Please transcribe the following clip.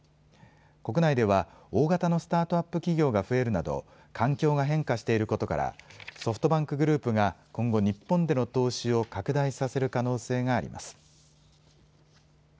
国内では大型のスタートアップ企業が増えるなど環境が変化していることからソフトバンクグループが今後、日本での投資を拡大させる可能性があります。